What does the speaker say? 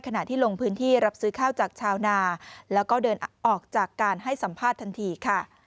ขณะที่ลงพื้นที่รับซื้อข้าวจากชาวนาแล้วก็เดินออกจากการให้สัมภาษณ์ทันทีค่ะ